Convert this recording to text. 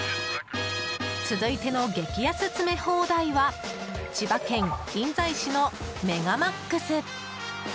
続いての激安詰め放題は千葉県印西市のメガマックス。